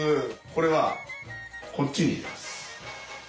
これはこっちに行きます。